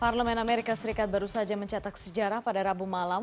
parlemen amerika serikat baru saja mencetak sejarah pada rabu malam